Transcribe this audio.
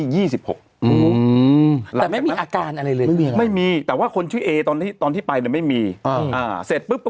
ก็บอกว่าเวลาคุณเข้าไปจังหวัดไหนเขาขอดู